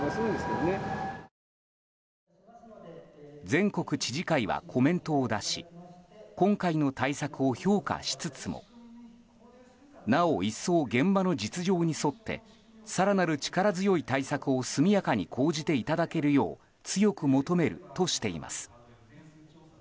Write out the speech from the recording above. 全国知事会はコメントを出し今回の対策を評価しつつもなお一層現場の実情に沿って更なる力強い対策を速やかに講じていただけるよう強く求めるとしています。